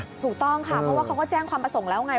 ถูกต้องค่ะเพราะว่าเขาก็แจ้งความประสงค์แล้วไง